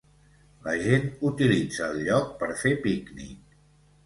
La gent utilitza el lloc per fer pícnic.